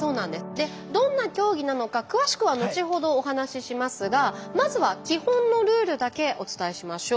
でどんな競技なのか詳しくは後ほどお話ししますがまずは基本のルールだけお伝えしましょう。